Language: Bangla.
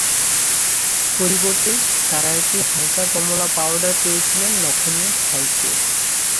পরিবর্তে, তারা একটি হালকা কমলা পাউডার পেয়েছিলেন লক্ষণীয় স্থায়িত্বের।